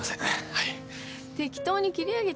はい。